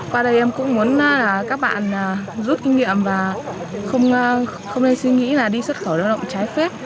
qua đây em cũng muốn các bạn rút kinh nghiệm và không nên suy nghĩ đi xuất khởi đoàn động trái phép